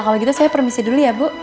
kalau gitu saya permisi dulu ya bu